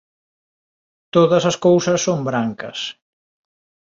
Todas as cousas son brancas.